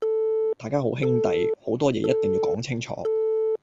大家好兄弟，好多嘢一定要講清楚